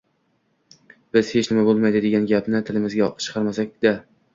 biz «hech nima bo‘lmaydi» degan gapni tilimizga chiqarmasak-da